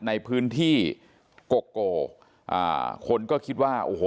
ในพื้นที่โกโกอ่าคนก็คิดว่าโอ้โห